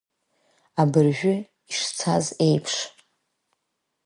Абыржәы ишцаз еиԥш.